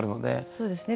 そうですね